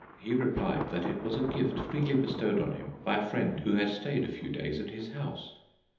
He replied that it was a gift freely bestowed on him by a friend who had stayed a few days at his house."